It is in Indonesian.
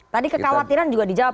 tadi kekhawatiran juga dijawab